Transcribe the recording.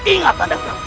ingat nanda prabu